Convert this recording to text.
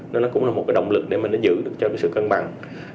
nó cũng là một cái động lực để mà nó giữ được cho cái sự cân bằng